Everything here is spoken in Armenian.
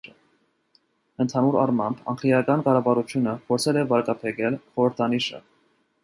Ընդհանուր առմամբ, անգլիական կառավարությունը փորձել է վարկաբեկել խորհրդանիշը։